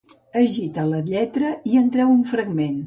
Agita la lletra i en treu un fragment.